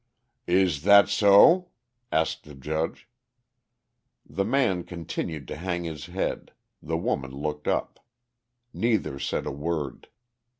"Is that so?" asked the judge. The man continued to hang his head, the woman looked up; neither said a word.